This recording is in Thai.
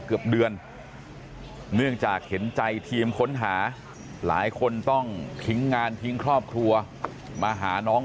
เกือบเดือนเนื่องจากเห็นใจทีมค้นหาหลายคนต้องทิ้งงานทิ้งครอบครัวมาหาน้อง